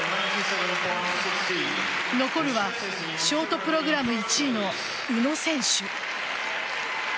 残るはショートプログラム１位の宇野選手。